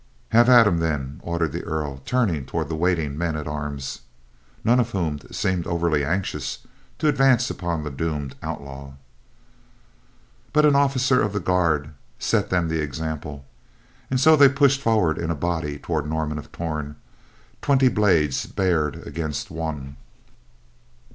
"Have at him, then," ordered the Earl, turning toward the waiting men at arms, none of whom seemed overly anxious to advance upon the doomed outlaw. But an officer of the guard set them the example, and so they pushed forward in a body toward Norman of Torn; twenty blades bared against one.